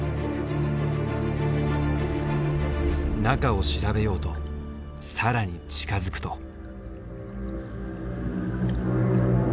中を調べようと更に近づくと。